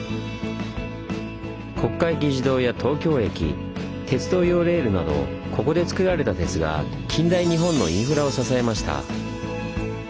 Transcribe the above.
国会議事堂や東京駅鉄道用レールなどここでつくられた鉄が近代日本のインフラを支えました。